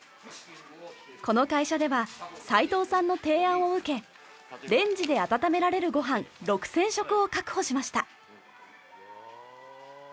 この会社では齊藤さんの提案を受けレンジで温められるごはん６０００食を確保しました。